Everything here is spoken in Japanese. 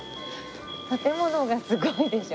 建物がすごいでしょ。